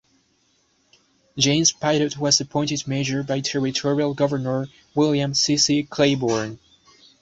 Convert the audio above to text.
James Pitot was appointed mayor by Territorial Governor William C. C. Claiborne.